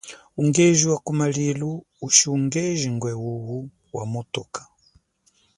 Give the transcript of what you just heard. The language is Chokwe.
Ungeji wa kumalilu ushi ungeji ngwe wuwu wa motoka.